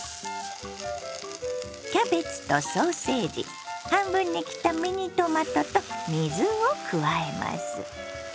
キャベツとソーセージ半分に切ったミニトマトと水を加えます。